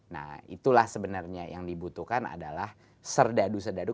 nah itulah sebenarnya yang dibutuhkan adalah serdadu serdadu